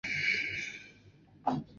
曾祖父黄华生。